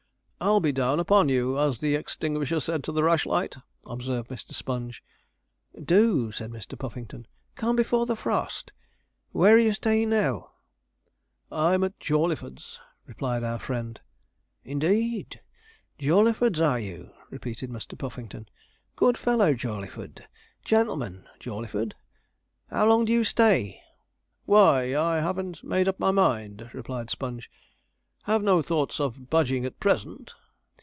'I'll be down upon you, as the extinguisher said to the rushlight,' observed Mr. Sponge. 'Do,' said Mr. Puffington; 'come before the frost. Where are you staying now?' 'I'm at Jawleyford's,' replied our friend. 'Indeed! Jawleyford's, are you?' repeated Mr. Puffington. 'Good fellow, Jawleyford gentleman, Jawleyford. How long do you stay?' 'Why, I haven't made up my mind,' replied Sponge. 'Have no thoughts of budging at present.'